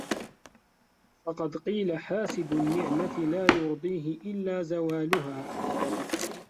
فَقَدْ قِيلَ حَاسِدُ النِّعْمَةِ لَا يُرْضِيهِ إلَّا زَوَالُهَا